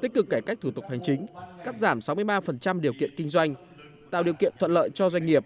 tích cực cải cách thủ tục hành chính cắt giảm sáu mươi ba điều kiện kinh doanh tạo điều kiện thuận lợi cho doanh nghiệp